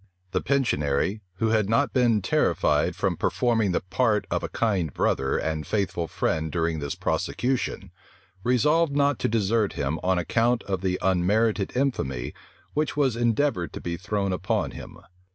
The pensionary, who had not been terrified from performing the part of a kind brother and faithful friend during this prosecution, resolved not to desert him on account of the unmerited infamy which was endeavored to be thrown upon him.